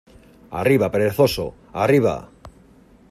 ¡ arriba, perezoso!... ¡ arriba !